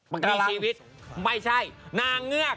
มักนี้ชีวิตไม่ใช่นางเงือก